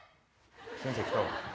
先生来たわ。